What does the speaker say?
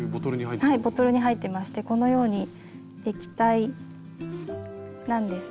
はいボトルに入ってましてこのように液体なんですが。